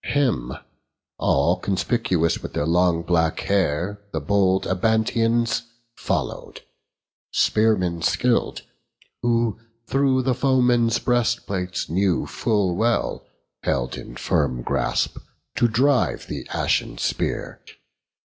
Him, all conspicuous with their long black hair, The bold Abantians follow'd: spearmen skill'd, Who through the foemen's breastplates knew full well, Held in firm grasp, to drive the ashen spear.